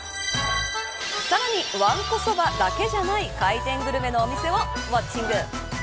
さらにわんこそばだけじゃない回転グルメのお店をウオッチング。